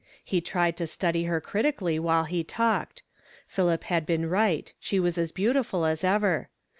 He tried to study her critically while he talked. Philip had been right ; she was as beautiful as ever.